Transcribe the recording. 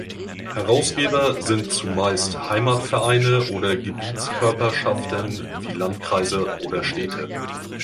Herausgeber sind zumeist Heimatvereine oder Gebietskörperschaften wie Landkreise oder Städte.